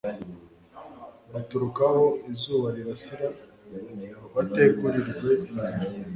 baturuka aho izuba rirasira bategurirwe inzira